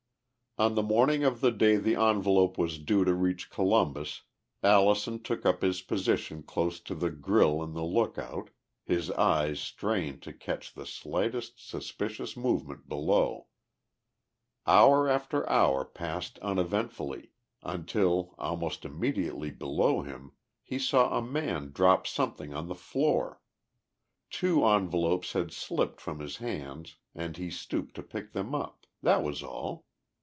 On the morning of the day the envelope was due to reach Columbus, Allison took up his position close to the grille in the lookout, his eyes strained to catch the slightest suspicious movement below. Hour after hour passed uneventfully until, almost immediately below him, he saw a man drop something on the floor. Two envelopes had slipped from his hands and he stooped to pick them up that was all.